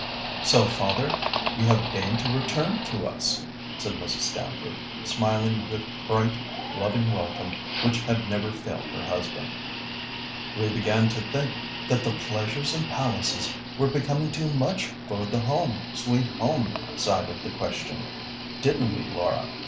"So, father, you have deigned to return to us!" said Mrs. Stamford, smiling the bright, loving welcome which had never failed her husband. "We began to think that the 'pleasures and palaces' were becoming too much for the 'home, sweet home' side of the question. Didn't we, Laura?